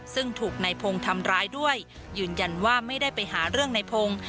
ซึ่งถูกนายพงศ์ทำร้ายด้วยยืนยันว่าไม่ได้ไปหาเรื่องในพงศ์